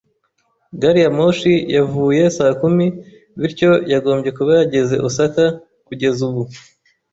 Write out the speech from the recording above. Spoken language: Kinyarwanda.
Gari ya moshi yavuye saa kumi, bityo yagombye kuba yageze Osaka kugeza ubu.